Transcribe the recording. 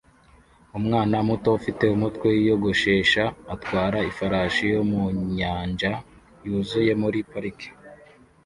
Umwana muto ufite umutwe wiyogoshesha atwara ifarashi yo mu nyanja yuzuye muri parike